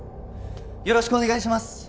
よろしくお願いします！